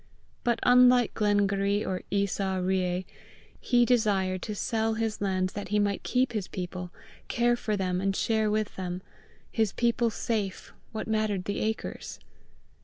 But unlike Glengarry or "Esau" Reay, he desired to sell his land that he might keep his people, care for them, and share with them: his people safe, what mattered the acres!